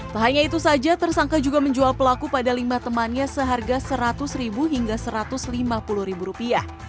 tak hanya itu saja tersangka juga menjual pelaku pada lima temannya seharga rp seratus hingga satu ratus lima puluh